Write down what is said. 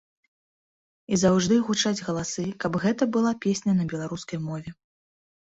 І заўжды гучаць галасы, каб гэта была песня на беларускай мове.